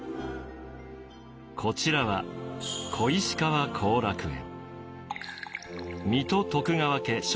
こちらは小石川後楽園。